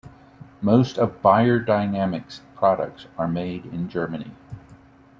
Most of beyerdynamic's products are made in Germany.